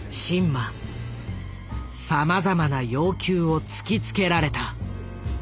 さまざまな要求を突きつけられた。